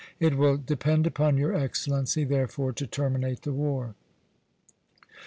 It will depend upon your Excellency, therefore, to terminate the war."